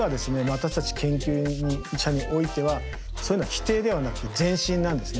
私たち研究者においてはそういうのは否定ではなくて前進なんですね。